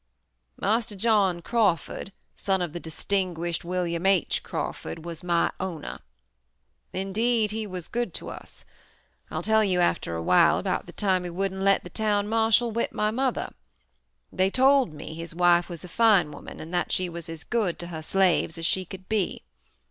"Marster John Crawford, son of the distinguished William H. Crawford, was my owner. Indeed, he was good to us. I'll tell you after awhile about the time he wouldn't let the town marshal whip my mother. They told me his wife was a fine woman and that she was as good to her slaves as she could be.